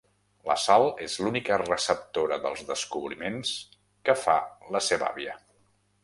La Sal és l'única receptora dels descobriments que fa la seva àvia.